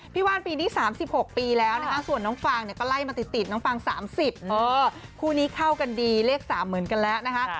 ว่านปีนี้๓๖ปีแล้วนะคะส่วนน้องฟางเนี่ยก็ไล่มาติดน้องฟาง๓๐คู่นี้เข้ากันดีเลข๓เหมือนกันแล้วนะคะ